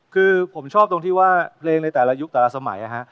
คือผมชอบตรงที่ว่าเพลงในแต่ละยุคแต่ละสมัย